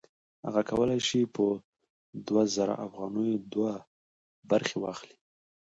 هغه کولی شي په دوه زره افغانیو دوه برخې واخلي